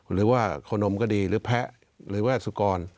หรือว่าขนมก็ดีหรือแพ้หรือว่าสุกร